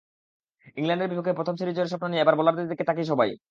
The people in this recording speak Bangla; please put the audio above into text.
ইংল্যান্ডের বিপক্ষে প্রথম সিরিজ জয়ের স্বপ্ন নিয়ে এখন বোলারদের দিকে তাকিয়ে সবাই।